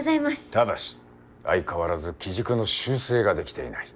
ただし相変わらず機軸の修正ができていない。